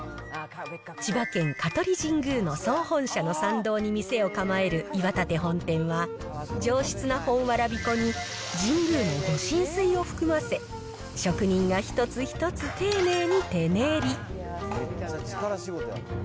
千葉県香取神宮の総本社の参道に店を構える岩立本店は、上質な本わらび粉に神宮のご神水を含ませ、職人が一つ一つ丁寧に手練り。